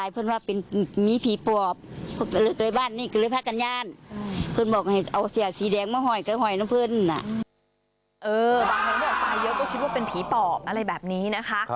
เยอะก็คิดว่าผีปอบอะไรแบบนี้นะค่ะ